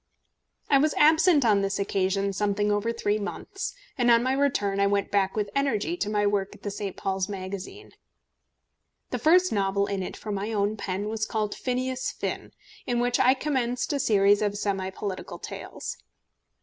I was absent on this occasion something over three months, and on my return I went back with energy to my work at the St. Paul's Magazine. The first novel in it from my own pen was called Phineas Finn, in which I commenced a series of semi political tales.